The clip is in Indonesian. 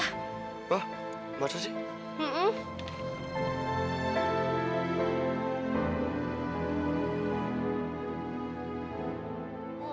hah bagaimana sih